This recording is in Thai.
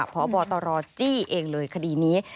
พบตรจี้เองเลยคดีนี้